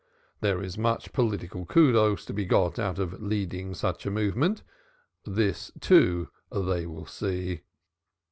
There is much political kudos to be got out of leading such a movement this, too, they will see.